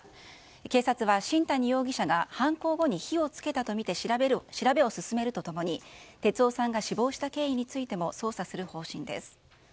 警察は新谷容疑者が犯行後に火を付けたとみて調べを進めると共に哲男さんが死亡した経緯についても捜査する方針です。